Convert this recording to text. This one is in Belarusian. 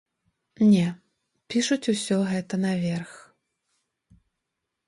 Не, пішуць усё гэта наверх!